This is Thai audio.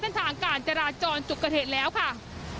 เส้นทางการจราจรจุกเกอร์เทศแล้วค่ะ